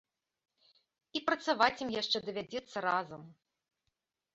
І працаваць ім яшчэ давядзецца разам.